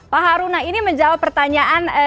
pak haruna ini menjawab pertanyaan